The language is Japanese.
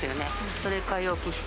それ買い置きして。